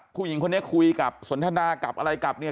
ผู้หญิงคนนี้คุยกับสนทนากับอะไรกลับเนี่ย